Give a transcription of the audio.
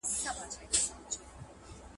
دا شعر د مشاعرې ترټولو ښه شعر بللی دی !.